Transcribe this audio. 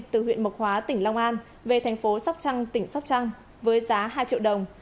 nguyễn mộc hóa tỉnh long an về thành phố sóc trăng tỉnh sóc trăng với giá hai triệu đồng